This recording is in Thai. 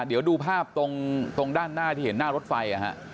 เดี๋ยวดูภาพตรงด้านหน้าที่เห็นหน้ารถไฟ